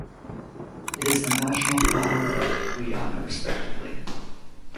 It is the National flower of Guyana respectively.